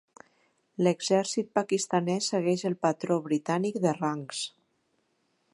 L'exèrcit pakistanès segueix el patró britànic de rangs.